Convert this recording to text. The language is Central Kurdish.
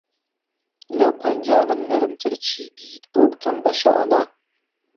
لهو پهنجانهم نهرمتر چی دیت بۆ بکهم به شانه